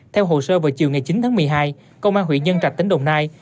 theo hồ sơ vào chiều ngày chín tháng một mươi hai công an huyện nhân trạch tỉnh đồng nai